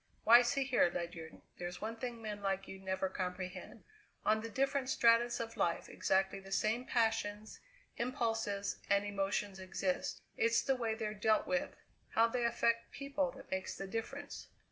Why, see here, Ledyard, there's one thing men like you never comprehend. On the different stratas of life exactly the same passions, impulses, and emotions exist; it's the way they're dealt with, how they affect people, that makes the difference.